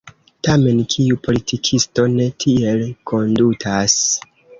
Tamen kiu politikisto ne tiel kondutas?